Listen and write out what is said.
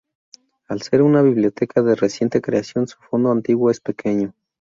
Al ser una biblioteca de reciente creación, su fondo antiguo es pequeño.